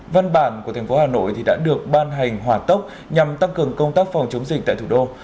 văn bản của thành phố hà nội đã được ban hành hỏa tốc nhằm tăng cường công tác phòng chống dịch tại thủ đô